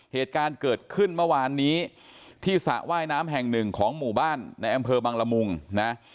เหตุการณ์เกิดขึ้นเมื่อวานนี้ที่สระว่ายน้ำแห่งหนึ่งของหมู่บ้านในอำเภอบังละมุงนะ